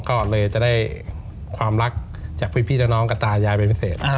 ก็เลยจะได้ความรักจากพี่น้องกับตายายเป็นพิเศษ